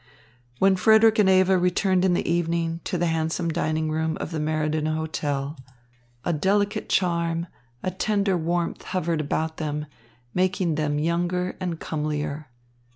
When Frederick and Eva returned in the evening, to the handsome dining room of the Meriden Hotel, a delicate charm, a tender warmth hovered about them, making them younger and comelier.